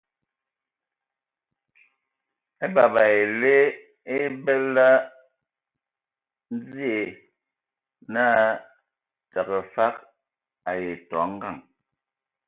A a abəbə a ele abəl dzie naa tǝgə fəg ai tɔ ngǝŋ.